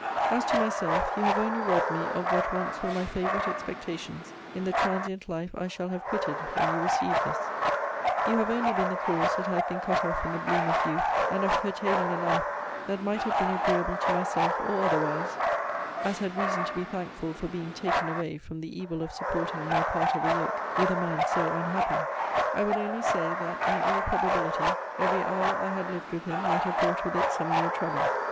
As to myself, you have only robbed me of what once were my favourite expectations in the transient life I shall have quitted when you receive this. You have only been the cause that I have been cut off in the bloom of youth, and of curtailing a life that might have been agreeable to myself, or otherwise, as had reason to be thankful for being taken away from the evil of supporting my part of a yoke with a man so unhappy; I will only say, that, in all probability, every hour I had lived with him might have brought with it some new trouble.